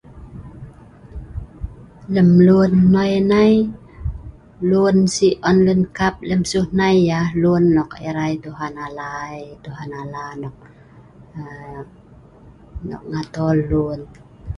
Lem lun noi nai, lun sik on lun kap lem siu nai yah, lun nok erai Tuhan Ala ai, Tuha Ala' aa.. nok ngatol lun.